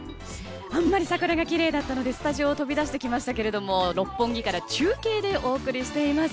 あんまり桜がきれいだったのでスタジオを飛び出してきましたけど六本木から中継でお送りしています。